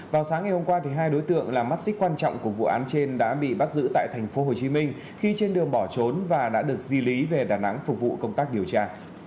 vào sáng ngày hôm qua hai đối tượng là mắt xích quan trọng của vụ án trên đã bị bắt giữ tại thành phố hồ chí minh khi trên đường bỏ trốn và đã được di lý về đà nẵng phục vụ công tác điều tra